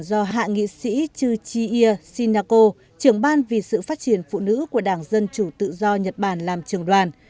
do hạ nghị sĩ chu chi ia shinako trưởng ban vì sự phát triển phụ nữ của đảng dân chủ tự do nhật bản làm trường đoàn